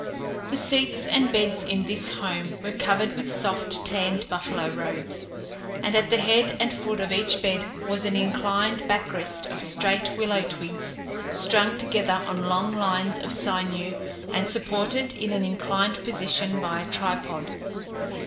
The seats and beds in this home were covered with soft tanned buffalo robes, and at the head and foot of each bed was an inclined back rest of straight willow twigs, strung together on long lines of sinew and supported in an inclined position by a tripod.